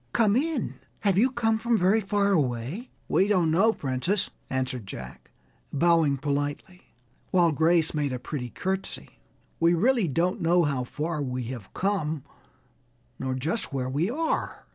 "Come in. Have you come from very far away?" "We don't know, Princess," answered Jack, bowing politely, while Grace made a pretty courtesy; "we really don't know how far we have come, nor just where we are."